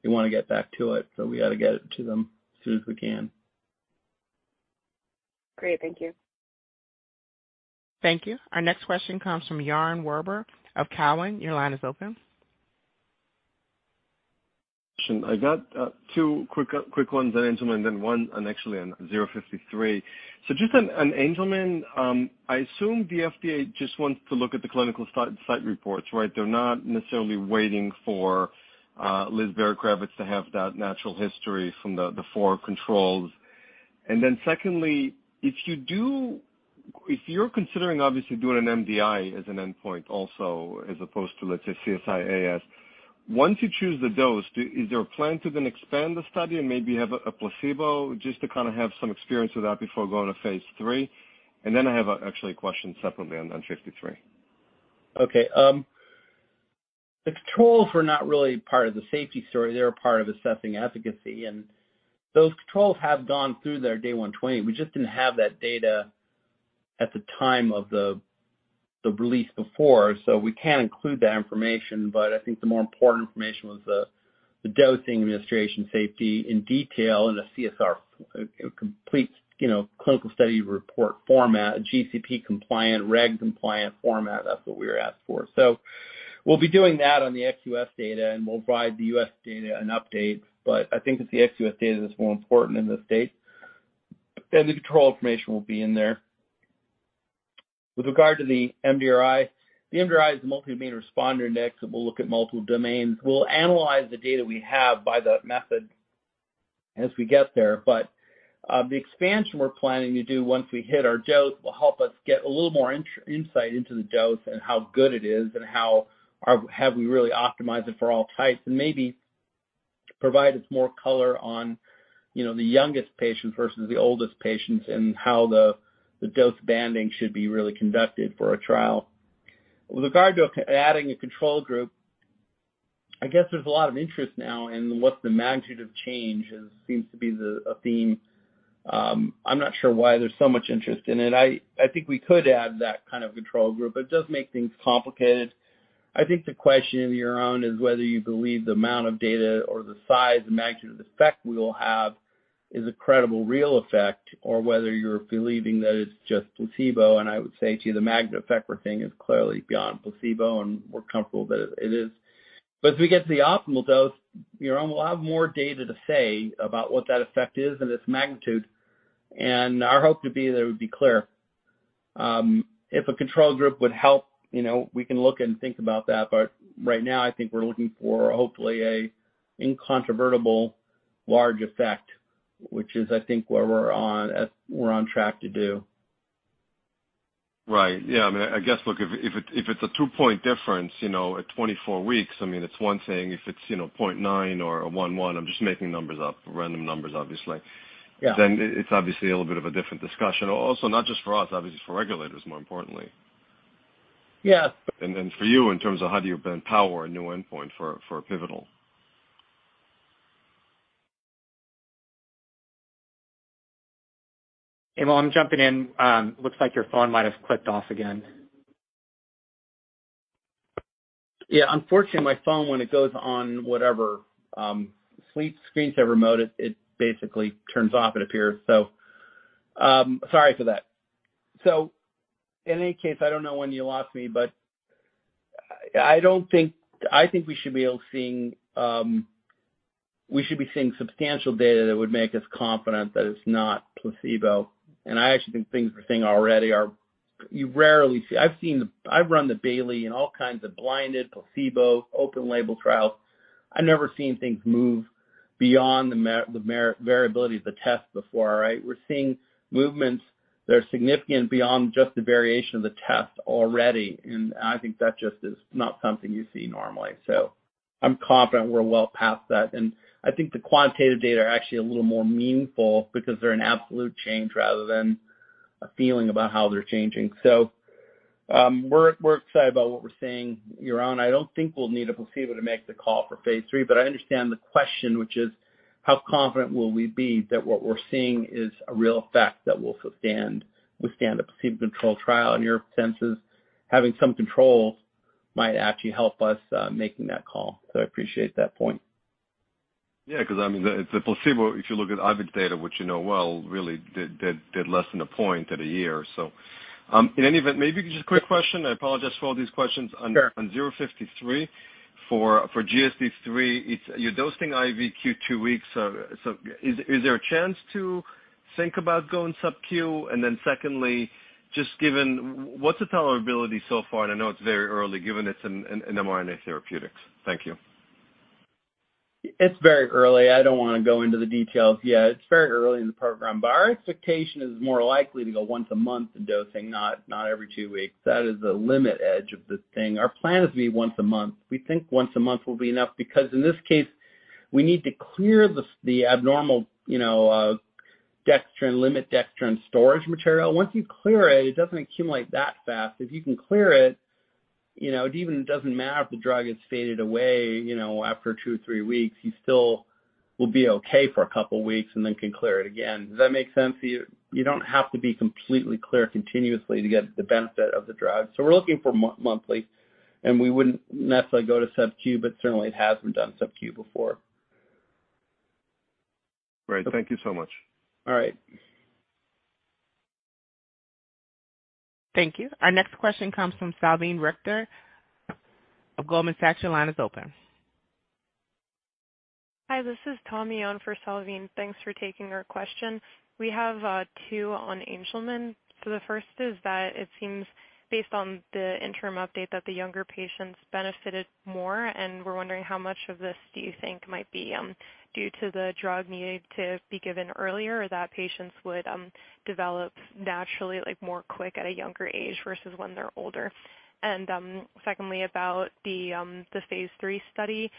they wanna get back to it, so we gotta get it to them as soon as we can. Great. Thank you. Thank you. Our next question comes from Yaron Werber of Cowen. Your line is open. I got two quick ones on Angelman and then one on actually on UX053. Just on Angelman, I assume the FDA just wants to look at the clinical site reports, right? They're not necessarily waiting for Liz Berkovits to have that natural history from the four controls. Secondly, if you're considering obviously doing an MDRI as an endpoint also as opposed to, let's say, CGI-AS, once you choose the dose, is there a plan to then expand the study and maybe have a placebo just to kind of have some experience with that before going to phase III? I have actually a question separately on UX053. Okay. The controls were not really part of the safety story. They were part of assessing efficacy, and those controls have gone through their day 120. We just didn't have that data at the time of the release before, so we can include that information. I think the more important information was the dosing administration safety in detail in a CSR, complete, you know, clinical study report format, a GCP compliant, reg compliant format. That's what we were asked for. We'll be doing that on the ex-US data, and we'll provide the US data an update. I think it's the ex-US data that's more important in this case. The control information will be in there. With regard to the MDRI, the MDRI is the Multi-Domain Responder Index, and we'll look at multiple domains. We'll analyze the data we have by that method as we get there. The expansion we're planning to do once we hit our dose will help us get a little more insight into the dose and how good it is and how have we really optimized it for all types and maybe provide us more color on, you know, the youngest patients versus the oldest patients and how the dose banding should be really conducted for a trial. With regard to adding a control group, I guess there's a lot of interest now in what the magnitude of change is. Seems to be a theme. I'm not sure why there's so much interest in it. I think we could add that kind of control group. It does make things complicated. I think the question, Yaron, is whether you believe the amount of data or the size and magnitude of effect we will have is a credible real effect or whether you're believing that it's just placebo. I would say to you the magnitude of effect we're seeing is clearly beyond placebo, and we're comfortable that it is. As we get to the optimal dose, Yaron, we'll have more data to say about what that effect is and its magnitude. Our hope to be that it would be clear. If a control group would help, you know, we can look and think about that. Right now, I think we're looking for, hopefully, an incontrovertible large effect, which is, I think, where we're on track to do. Right. Yeah. I mean, I guess, look, if it's a two point difference, you know, at 24 weeks, I mean, it's one thing. If it's, you know, 0.9 or 1.1, I'm just making numbers up, random numbers obviously. Yeah. It's obviously a little bit of a different discussion. Also, not just for us, obviously for regulators, more importantly. Yeah. For you in terms of how do you then power a new endpoint for pivotal. Emil, I'm jumping in. Looks like your phone might have clicked off again. Yeah. Unfortunately, my phone when it goes on whatever sleep screensaver mode, it basically turns off, it appears. Sorry for that. In any case, I don't know when you lost me, but I think we should be seeing substantial data that would make us confident that it's not placebo. I actually think the things we're seeing already are. You rarely see. I've run the Bayley in all kinds of blinded placebo open label trials. I've never seen things move beyond the variability of the test before, right? We're seeing movements that are significant beyond just the variation of the test already, and I think that just is not something you see normally. I'm confident we're well past that. I think the quantitative data are actually a little more meaningful because they're an absolute change rather than a feeling about how they're changing. We're excited about what we're seeing, Yaron. I don't think we'll need a placebo to make the call for phase three, but I understand the question, which is how confident will we be that what we're seeing is a real effect that will withstand a placebo-controlled trial. In your sense, having some control might actually help us making that call. I appreciate that point. Yeah, 'cause I mean, the placebo, if you look at Ovid's data, which you know well, really did less than a point at a year or so. In any event, maybe just a quick question. I apologize for all these questions. Sure. UX053. For GSD 3, it's you're dosing IVQ two weeks. Is there a chance to think about going subQ? Secondly, just given what's the tolerability so far? I know it's very early given it's an mRNA therapeutics. Thank you. It's very early. I don't wanna go into the details yet. It's very early in the program, but our expectation is more likely to go once a month in dosing, not every two weeks. That is the limit edge of this thing. Our plan is to be once a month. We think once a month will be enough because in this case, we need to clear the abnormal, you know, glycogen, limited glycogen storage material. Once you clear it doesn't accumulate that fast. If you can clear it, you know, it even doesn't matter if the drug is faded away, you know, after two, three weeks, you still will be okay for a couple of weeks and then can clear it again. Does that make sense to you? You don't have to be completely clear continuously to get the benefit of the drug. We're looking for monthly, and we wouldn't necessarily go to subQ, but certainly it has been done subQ before. Great. Thank you so much. All right. Thank you. Our next question comes from Salveen Richter of Goldman Sachs. Your line is open. Hi, this is Tommy on for Salveen. Thanks for taking our question. We have two on Angelman. The first is that it seems based on the interim update that the younger patients benefited more, and we're wondering how much of this do you think might be due to the drug needing to be given earlier or that patients would develop naturally, like, more quick at a younger age versus when they're older. Secondly, about the phase III study,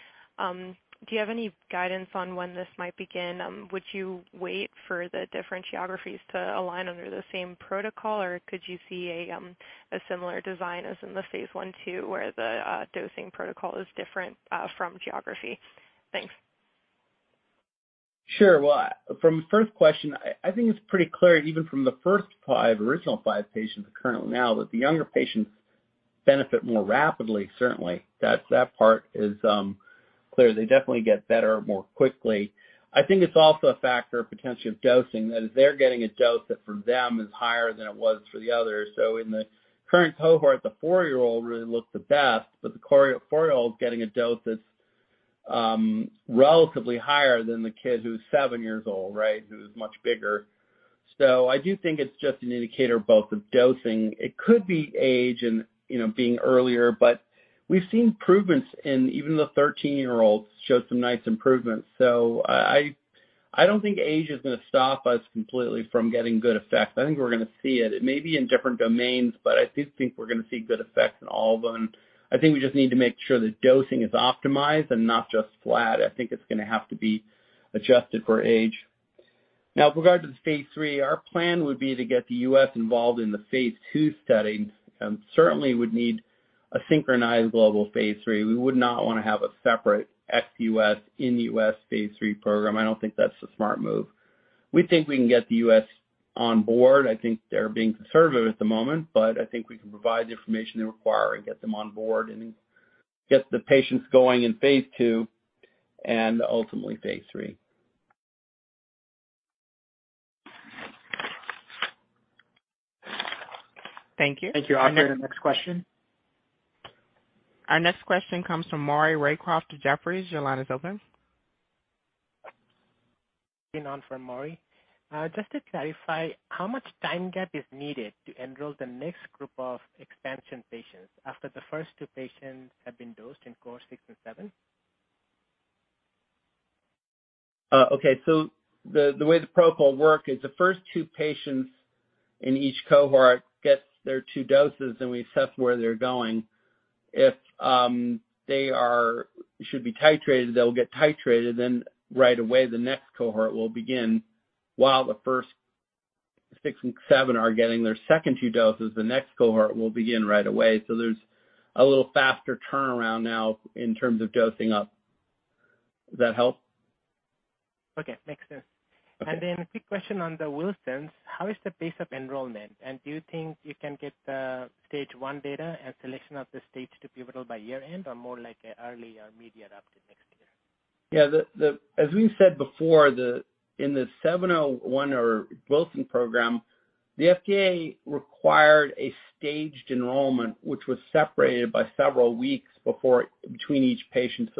do you have any guidance on when this might begin? Would you wait for the different geographies to align under the same protocol, or could you see a similar design as in the phase I/II where the dosing protocol is different from geography? Thanks. Sure. Well, from the first question, I think it's pretty clear even from the first five, original five patients currently now, that the younger patients benefit more rapidly, certainly. That part is clear. They definitely get better more quickly. I think it's also a factor potentially of dosing, that is they're getting a dose that for them is higher than it was for the others. In the current cohort, the four year-old really looks the best, but the four year-old is getting a dose that's relatively higher than the kid who's seven years old, right, who's much bigger. I do think it's just an indicator both of dosing. It could be age and, you know, being earlier, but we've seen improvements in even the 13 year-olds show some nice improvements. I don't think age is gonna stop us completely from getting good effects. I think we're gonna see it. It may be in different domains, but I do think we're gonna see good effects in all of them. I think we just need to make sure the dosing is optimized and not just flat. I think it's gonna have to be adjusted for age. Now with regard to the phase III, our plan would be to get the U.S. involved in the phase II study, and certainly would need a synchronized global phase III. We would not wanna have a separate ex-U.S., in-U.S. phase III program. I don't think that's a smart move. We think we can get the U.S. on board. I think they're being conservative at the moment, but I think we can provide the information they require and get them on board and get the patients going in phase II and ultimately phase III. Thank you. Thank you. Operator, next question. Our next question comes from Maury Raycroft of Jefferies. Your line is open. Open for Maury Raycroft. Just to clarify, how much time gap is needed to enroll the next group of expansion patients after the first two patients have been dosed in Cohort 6 or 7? The way the protocol work is the first two patients in each cohort gets their two doses, and we assess where they're going. If they should be titrated, they'll get titrated, then right away the next cohort will begin. While the first six and seven are getting their second two doses, the next cohort will begin right away. There's a little faster turnaround now in terms of dosing up. Does that help? Okay. Makes sense. Okay. A quick question on the Wilson's. How is the pace of enrollment? Do you think you can get the Stage 1 data and selection of the stage 2 pivotal by year-end or more like an early or midyear update next year? Yeah. As we've said before, in the 701 or Wilson program, the FDA required a staged enrollment, which was separated by several weeks between each patient.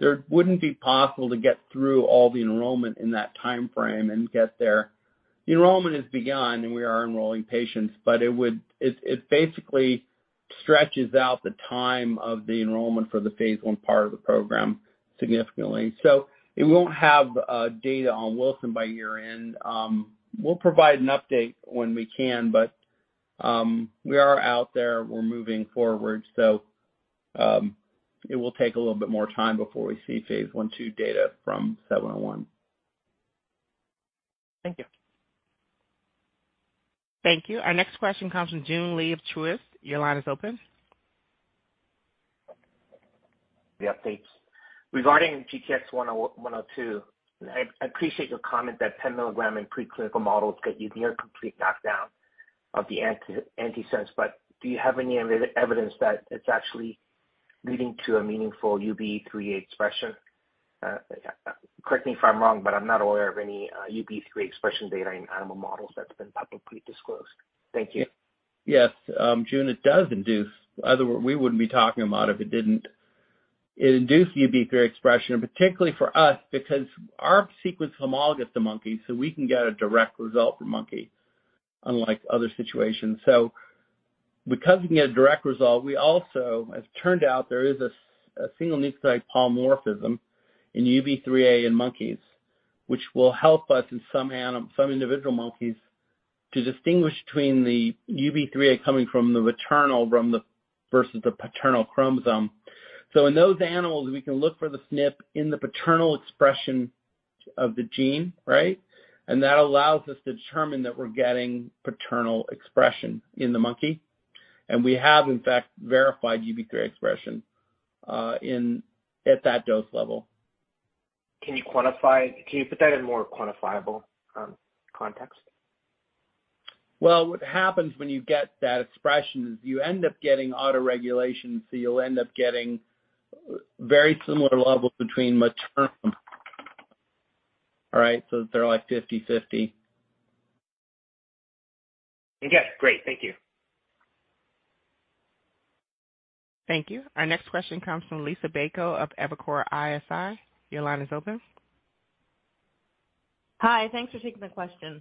It wouldn't be possible to get through all the enrollment in that timeframe and get there. The enrollment has begun, and we are enrolling patients, but it basically stretches out the time of the enrollment for the phase I part of the program significantly. We won't have data on Wilson by year-end. We'll provide an update when we can, but we are out there, we're moving forward. It will take a little bit more time before we see phase I/II data from 701. Thank you. Thank you. Our next question comes from Joon Lee of Truist. Your line is open. The updates. Regarding GTX-102, I appreciate your comment that 10 mg in preclinical models get you near complete knockdown of the antisense, but do you have any evidence that it's actually leading to a meaningful UBE3A expression? Correct me if I'm wrong, but I'm not aware of any, UBE3A expression data in animal models that's been publicly disclosed. Thank you. Yes. Joon, it does induce. Otherwise, we wouldn't be talking about it if it didn't. It induced UBE3A expression, and particularly for us because our sequence homologous the monkey, so we can get a direct result for monkey, unlike other situations. Because we can get a direct result, we also, as it turned out, there is a single nucleotide polymorphism in UBE3A in monkeys, which will help us in some individual monkeys to distinguish between the UBE3A coming from the maternal versus the paternal chromosome. In those animals, we can look for the SNP in the paternal expression of the gene, right? That allows us to determine that we're getting paternal expression in the monkey. We have, in fact, verified UBE3A expression at that dose level. Can you put that in more quantifiable context? Well, what happens when you get that expression is you end up getting autoregulation. You'll end up getting very similar levels between maternal, all right? They're like 50/50. Okay, great. Thank you. Thank you. Our next question comes from Liisa Bayko of Evercore ISI. Your line is open. Hi. Thanks for taking the question.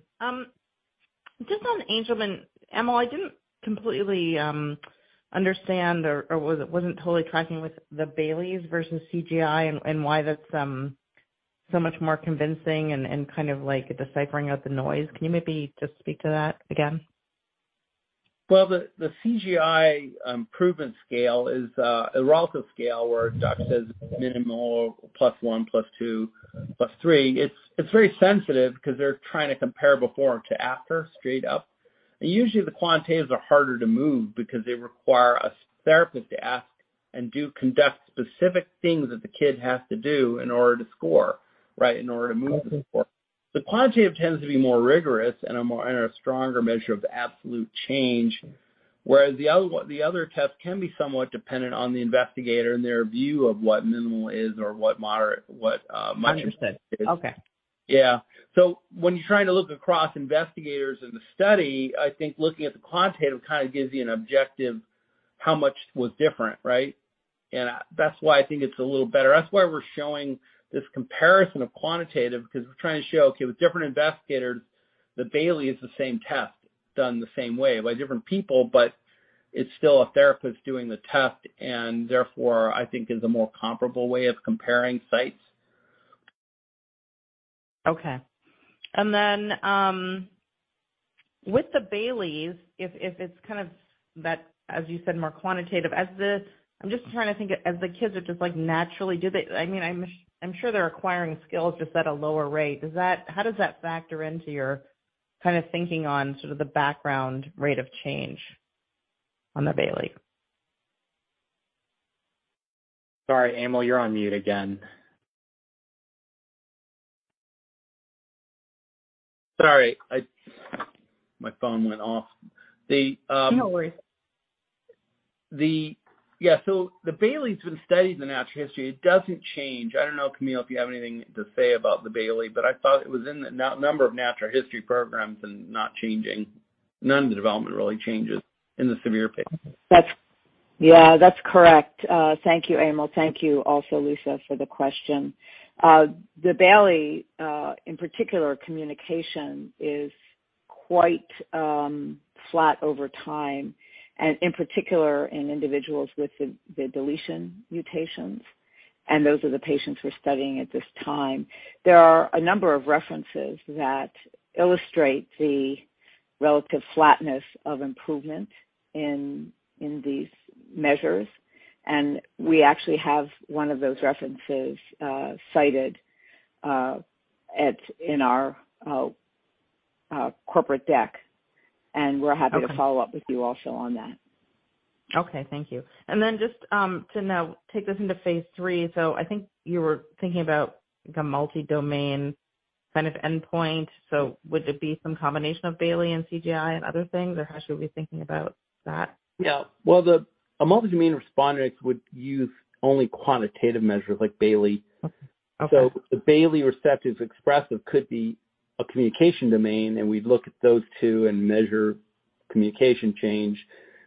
Just on Angelman, Emil, I didn't completely understand or wasn't totally tracking with the Bayley versus CGI and why that's so much more convincing and kind of like deciphering out the noise. Can you maybe just speak to that again? Well, the CGI improvement scale is a relative scale where doctors say minimal plus one, plus two, plus three. It's very sensitive because they're trying to compare before to after straight up. Usually the quantitatives are harder to move because they require a therapist to ask and conduct specific things that the kid has to do in order to score, right, in order to move the score. The quantitative tends to be more rigorous and a stronger measure of absolute change, whereas the other test can be somewhat dependent on the investigator and their view of what minimal is or what moderate, what much is. Understood. Okay. Yeah. When you're trying to look across investigators in the study, I think looking at the quantitative kind of gives you an objective how much was different, right? That's why I think it's a little better. That's why we're showing this comparison of quantitative because we're trying to show, okay, with different investigators, the Bayley is the same test done the same way by different people, but it's still a therapist doing the test and therefore, I think is a more comparable way of comparing sites. Okay. With the Bayley, if it's kind of that, as you said, more quantitative. I'm just trying to think, as the kids are just, like, naturally, do they, I mean, I'm sure they're acquiring skills just at a lower rate. How does that factor into your kind of thinking on sort of the background rate of change on the Bayley? Sorry, Emil, you're on mute again. Sorry, my phone went off. No worries. Yeah, the Bayley's been studied in the natural history. It doesn't change. I don't know, Camille, if you have anything to say about the Bayley, but I thought it was in a number of natural history programs and not changing. None of the development really changes in the severe patients. Yeah, that's correct. Thank you, Emil. Thank you also, Liisa, for the question. The Bayley, in particular communication is quite flat over time and in particular in individuals with the deletion mutations, and those are the patients we're studying at this time. There are a number of references that illustrate the relative flatness of improvement in these measures, and we actually have one of those references cited in our corporate deck, and we're happy Okay. To follow up with you also on that. Okay. Thank you. Just to now take this into phase III. I think you were thinking about like a multi-domain kind of endpoint. Would it be some combination of Bayley and CGI and other things, or how should we be thinking about that? Well, a multi-domain responder would use only quantitative measures like Bayley. Okay. The Bayley receptive expressive could be a communication domain, and we'd look at those two and measure communication change.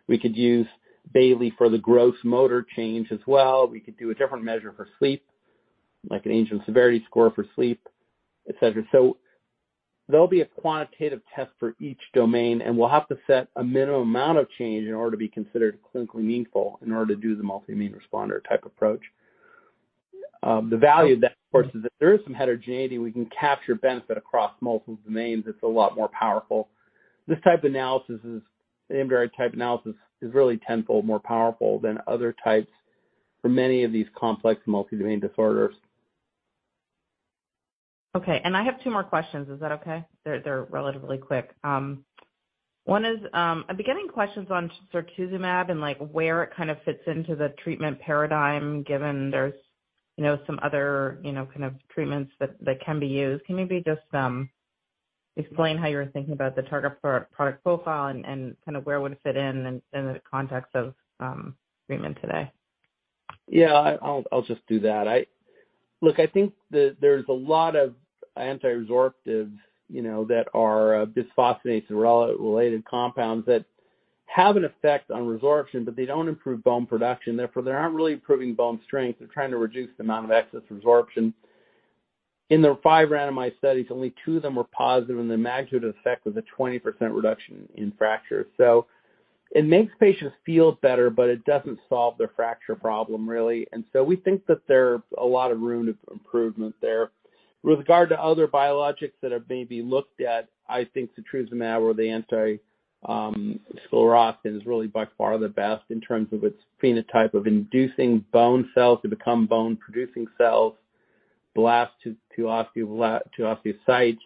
We could use Bayley for the gross motor change as well. We could do a different measure for sleep, like an Angelman severity score for sleep, et cetera. There'll be a quantitative test for each domain, and we'll have to set a minimum amount of change in order to be considered clinically meaningful in order to do the multi-domain responder type approach. The value of that, of course, is if there is some heterogeneity, we can capture benefit across multiple domains. It's a lot more powerful. This type of analysis is the MDRI type analysis is really tenfold more powerful than other types for many of these complex multi-domain disorders. I have two more questions. Is that okay? They're relatively quick. One is, I've been getting questions on setrusumab and, like, where it kind of fits into the treatment paradigm given there's, you know, some other, you know, kind of treatments that can be used. Can you maybe just explain how you were thinking about the target product profile and kind of where it would fit in the context of treatment today. Yeah, I'll just do that. Look, I think there's a lot of anti-resorptive, you know, that are bisphosphonates or related compounds that have an effect on resorption, but they don't improve bone production, therefore, they aren't really improving bone strength. They're trying to reduce the amount of excess resorption. In the five randomized studies, only two of them were positive, and the magnitude effect was a 20% reduction in fractures. So it makes patients feel better, but it doesn't solve their fracture problem, really. We think that there's a lot of room for improvement there. With regard to other biologics that have maybe looked at, I think setrusumab or the anti-sclerostin is really by far the best in terms of its phenotype of inducing bone cells to become bone producing cells, osteoblasts to osteocytes,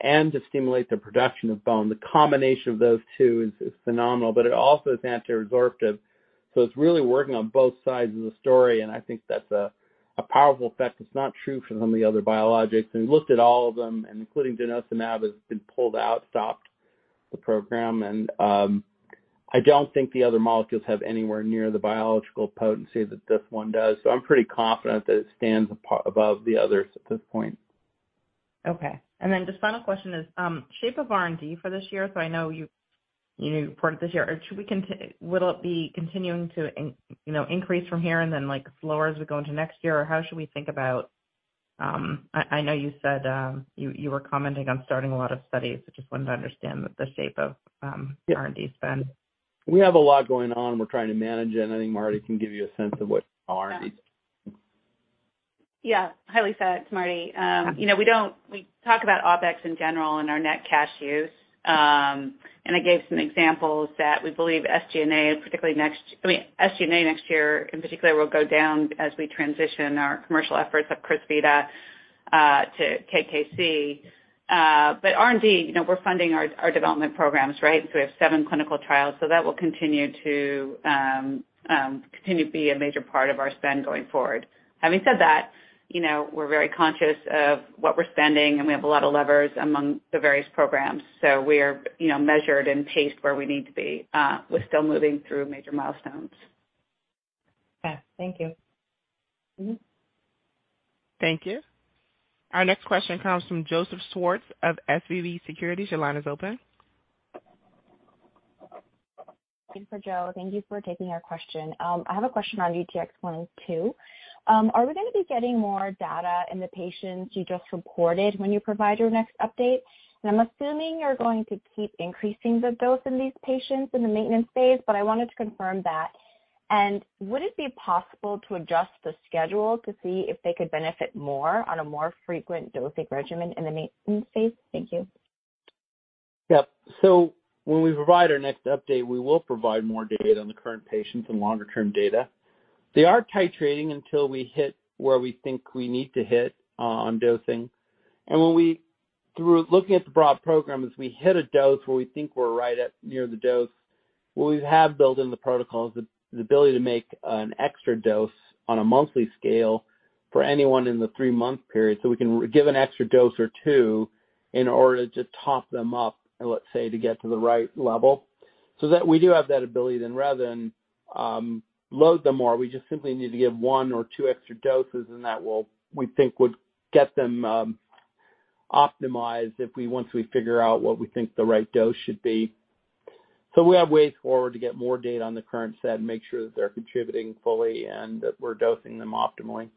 and to stimulate the production of bone. The combination of those two is phenomenal, but it also is anti-resorptive, so it's really working on both sides of the story, and I think that's a powerful effect that's not true for some of the other biologics. We looked at all of them, and including Denosumab has been pulled out, stopped the program, and I don't think the other molecules have anywhere near the biological potency that this one does. I'm pretty confident that it stands above the others at this point. Okay. Just final question is, shape of R&D for this year. I know you reported this year. Will it be continuing to, you know, increase from here and then, like, slower as we go into next year? Or how should we think about. I know you said you were commenting on starting a lot of studies. I just wanted to understand the shape of. Yeah. R&D spend. We have a lot going on. We're trying to manage it, and I think Mardi can give you a sense of what R&D is. Yeah. Hi, Marty. You know, we talk about OpEx in general and our net cash use. I gave some examples that we believe SG&A next year, in particular, will go down as we transition our commercial efforts of Crysvita to KKC. R&D, you know, we're funding our development programs, right? We have seven clinical trials. That will continue to be a major part of our spend going forward. Having said that, you know, we're very conscious of what we're spending, and we have a lot of levers among the various programs. We're, you know, measured and paced where we need to be with still moving through major milestones. Okay. Thank you. Mm-hmm. Thank you. Our next question comes from Joseph Schwartz of SVB Securities. Your line is open. This is Joe. Thank you for taking our question. I have a question on GTX-102. Are we gonna be getting more data in the patients you just reported when you provide your next update? I'm assuming you're going to keep increasing the dose in these patients in the maintenance phase, but I wanted to confirm that. Would it be possible to adjust the schedule to see if they could benefit more on a more frequent dosing regimen in the maintenance phase? Thank you. Yep. When we provide our next update, we will provide more data on the current patients and longer-term data. They are titrating until we hit where we think we need to hit on dosing. When we, through looking at the broad program, as we hit a dose where we think we're right at near the dose, what we have built in the protocol is the ability to make an extra dose on a monthly scale for anyone in the three-month period, so we can give an extra dose or two in order to top them up and, let's say, to get to the right level. That we do have that ability then rather than load them more, we just simply need to give one or two extra doses and that will, we think, would get them optimized once we figure out what we think the right dose should be. We have ways forward to get more data on the current set and make sure that they're contributing fully and that we're dosing them optimally.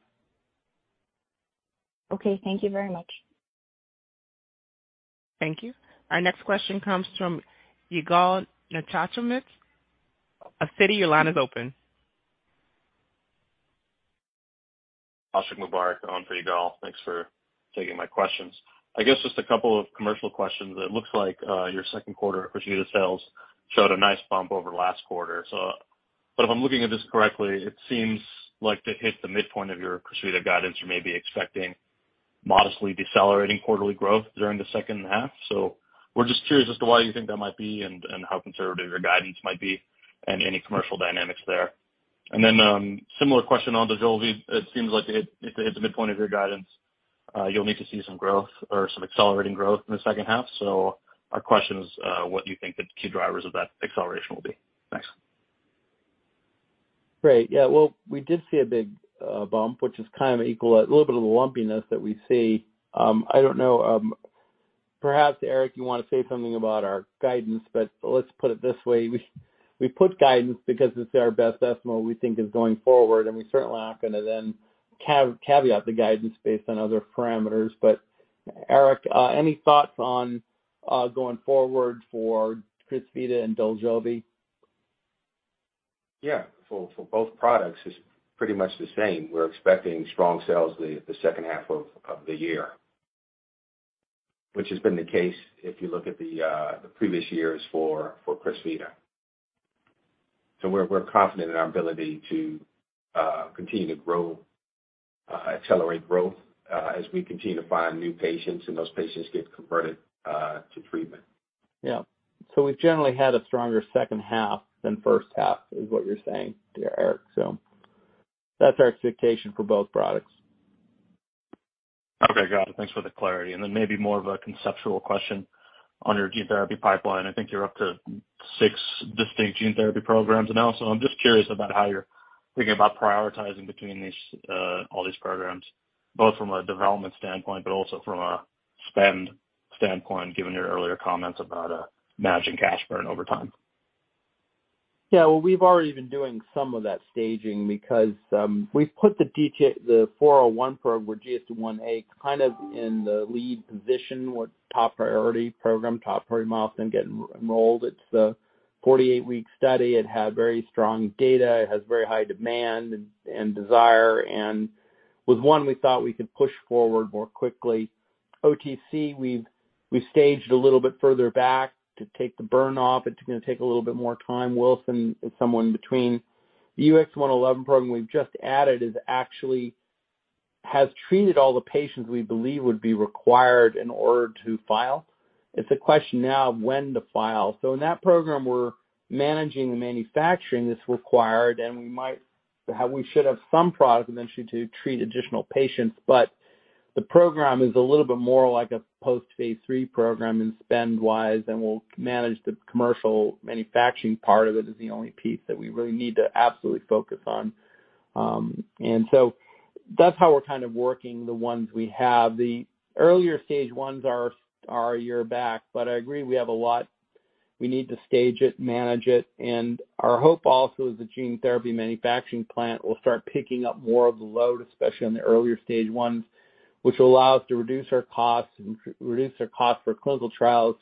Okay. Thank you very much. Thank you. Our next question comes from Yigal Nochomovitz. Citi, your line is open. Ashiq Mubarack on for Yigal Nochomovitz. Thanks for taking my questions. I guess just a couple of commercial questions. It looks like your second quarter of Crysvita sales showed a nice bump over last quarter. But if I'm looking at this correctly, it seems like to hit the midpoint of your Crysvita guidance, you may be expecting modestly decelerating quarterly growth during the second half. We're just curious as to why you think that might be and how conservative your guidance might be and any commercial dynamics there. Then similar question on Dojolvi, it seems like it hit the midpoint of your guidance. You'll need to see some growth or some accelerating growth in the second half. Our question is what do you think the key drivers of that acceleration will be? Thanks. Great. Yeah. Well, we did see a big bump, which is kind of equal, a little bit of the lumpiness that we see. I don't know. Perhaps Eric, you wanna say something about our guidance, but let's put it this way. We put guidance because it's our best estimate we think is going forward, and we certainly aren't gonna then caveat the guidance based on other parameters. Eric, any thoughts on going forward for Crysvita and Dojolvi? Yeah. For both products, it's pretty much the same. We're expecting strong sales the second half of the year, which has been the case if you look at the previous years for Crysvita. So we're confident in our ability to continue to grow, accelerate growth, as we continue to find new patients and those patients get converted to treatment. Yeah. We've generally had a stronger second half than first half, is what you're saying there, Eric, so. That's our expectation for both products. Okay. Got it. Thanks for the clarity. Maybe more of a conceptual question on your gene therapy pipeline. I think you're up to six distinct gene therapy programs and also I'm just curious about how you're thinking about prioritizing between these, all these programs, both from a development standpoint but also from a spend standpoint, given your earlier comments about managing cash burn over time. Yeah. Well, we've already been doing some of that staging because we've put the DTX401 program with GSD Ia kind of in the lead position with top priority program, top priority milestone getting enrolled. It's a 48 week study. It had very strong data. It has very high demand and desire and was one we thought we could push forward more quickly. OTC, we've staged a little bit further back to take the burn off. It's gonna take a little bit more time. Wilson is somewhere in between. The UX111 program we've just added is actually has treated all the patients we believe would be required in order to file. It's a question now of when to file. In that program, we're managing the manufacturing that's required, and we should have some product eventually to treat additional patients. The program is a little bit more like a post-phase III program in spend wise, and we'll manage the commercial manufacturing part of it as the only piece that we really need to absolutely focus on. That's how we're kind of working the ones we have. The earlier stage ones are a year back. I agree we have a lot. We need to stage it, manage it. Our hope also is the gene therapy manufacturing plant will start picking up more of the load, especially on the earlier stage ones, which will allow us to reduce our costs for clinical trials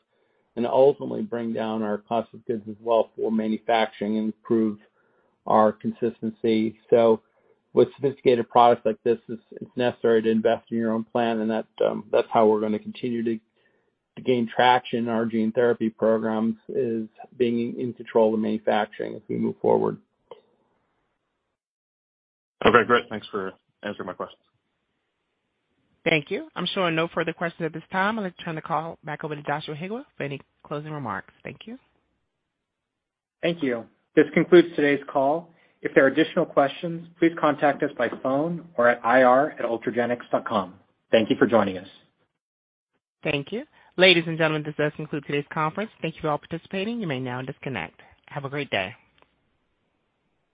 and ultimately bring down our cost of goods as well for manufacturing and improve our consistency. With sophisticated products like this, it's necessary to invest in your own plan, and that's how we're gonna continue to gain traction in our gene therapy programs, is being in control of the manufacturing as we move forward. Okay, great. Thanks for answering my questions. Thank you. I'm showing no further questions at this time. I'd like to turn the call back over to Joshua Higa for any closing remarks. Thank you. Thank you. This concludes today's call. If there are additional questions, please contact us by phone or at ir@Ultragenyx.com. Thank you for joining us. Thank you. Ladies and gentlemen, this does conclude today's conference. Thank you for all participating. You may now disconnect. Have a great day.